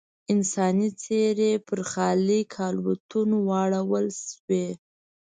انساني څېرې پر خالي کالبوتونو واړول شوې.